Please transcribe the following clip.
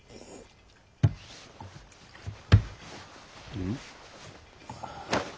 うん？